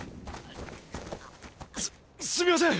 すすみません！